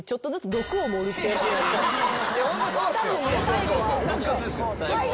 毒殺ですよ。